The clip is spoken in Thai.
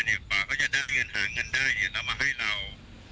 เขาก็จะได้เงินหาเงินได้แล้วมาให้เรา